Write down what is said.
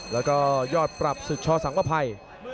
แล้วก็ยอดปรับศึกชอสังประภัย